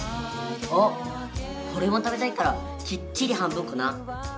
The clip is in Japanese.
あっおれも食べたいからきっちり半分こな。